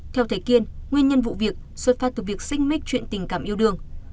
theo thầy kiên nguyên nhân vụ việc xuất phát từ việc xích mít chuyện tình cảm yêu đương